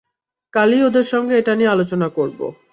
কালই ওদের সঙ্গে এটা নিয়ে আলোচনা করব।